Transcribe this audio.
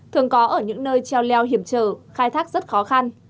thường có ở những nơi treo leo hiểm trở khai thác rất khó khăn